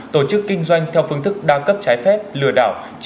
tổ chức kinh doanh theo phương thức đa cấp trái phép lừa đảo